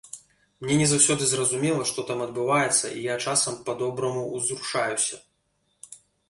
Мне не заўсёды зразумела, што там адбываецца, і я часам па-добраму ўзрушаюся.